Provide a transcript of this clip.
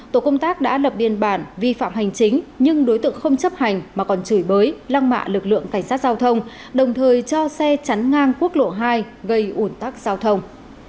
tổ công tác đã lập biên bản vi phạm hành chính nhưng đối tượng không chấp hành mà còn chửi bới lăng mạ lực lượng cảnh sát giao thông đồng thời cho xe chắn ngang quốc lộ hai gây ủn tắc giao thông